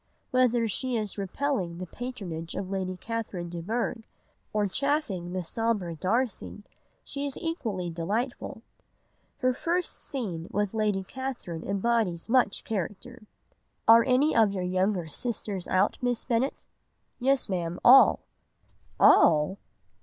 Whether she is repelling the patronage of Lady Catherine de Bourgh, or chaffing the sombre Darcy, she is equally delightful. Her first scene with Lady Catherine embodies much character— "'Are any of your younger sisters out, Miss Bennet?' "'Yes, Ma'am, all.' "'All!